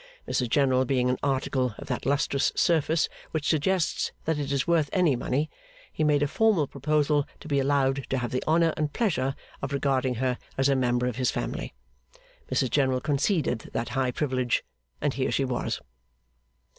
Mrs General being an article of that lustrous surface which suggests that it is worth any money, he made a formal proposal to be allowed to have the honour and pleasure of regarding her as a member of his family. Mrs General conceded that high privilege, and here she was.